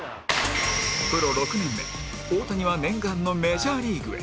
プロ６年目大谷は念願のメジャーリーグへ